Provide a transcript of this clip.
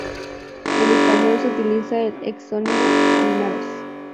En español se utiliza el exónimo "Vinaroz".